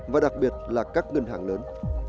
và đặc biệt là các ngân hàng lớn